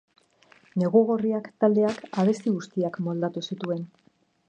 Negu Gorriak taldeak abesti guztiak moldatu zituen.